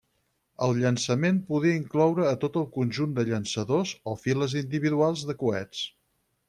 El llançament podia incloure a tot el conjunt de llançadors o files individuals de coets.